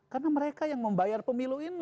karena mereka yang membayar pemilu ini